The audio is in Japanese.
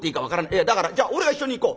いやだからじゃあ俺が一緒に行こう。